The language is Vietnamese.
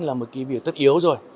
là một việc tất yếu rồi